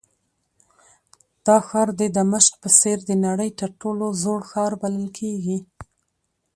دا ښار د دمشق په څېر د نړۍ تر ټولو زوړ ښار بلل کېږي.